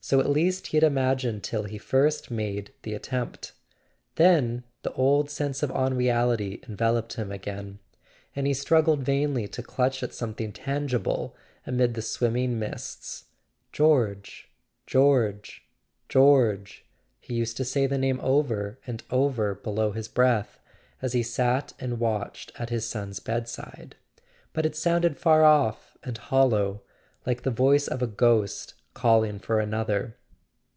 .. So at least he had imagined till he first made the attempt; then the old sense of unreality enveloped him again, and he struggled vainly to clutch at something tangible amid the swimming mists. "George—George—George " He used to say the name over and over below his breath, as he sat and watched at his son's bedside; but it sounded far off and hollow, like the voice of a ghost calling to another.